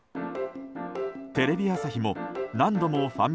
テレビ朝日も何度もファン